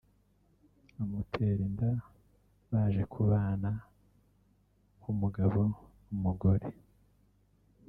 amutera inda baje kubana nk’umugabo n’umugore